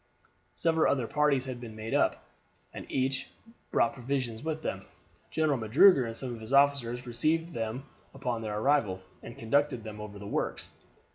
Several other parties had been made up, and each brought provisions with them. General Magruder and some of his officers received them upon their arrival, and conducted them over the works.